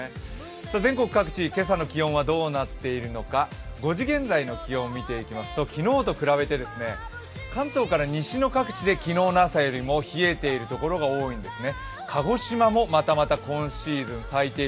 全国各地今朝の気温はどうなっているのか５時現在の気温を見てみますと昨日と比べて関東各地は昨日の朝よりも冷えているところが多いんですね。